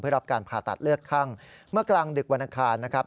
รับการผ่าตัดเลือดคั่งเมื่อกลางดึกวันอังคารนะครับ